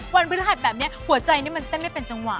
วันพฤหัสแบบนี้หัวใจนี่มันเต้นไม่เป็นจังหวะ